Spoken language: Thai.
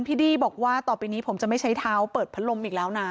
ดี้บอกว่าต่อไปนี้ผมจะไม่ใช้เท้าเปิดพัดลมอีกแล้วนะ